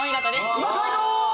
うま街道！